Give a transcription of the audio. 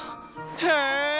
へえ！